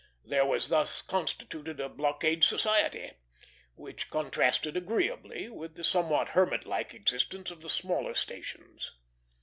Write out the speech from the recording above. There was thus constituted a blockade society, which contrasted agreeably with the somewhat hermit like existence of the smaller stations.